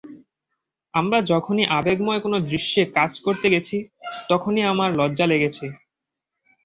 আমরা যখনই আবেগময় কোনো দৃশ্যে কাজ করতে গেছি, তখনই আমার লজ্জা লেগেছে।